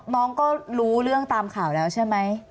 น้องก็รู้เรื่องตามข่าวแล้วใช่ไหม